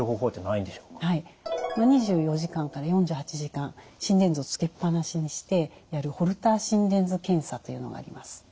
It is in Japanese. はい２４時間から４８時間心電図をつけっぱなしにしてやるホルター心電図検査というのがあります。